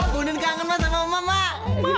bondan kangen banget sama emak mak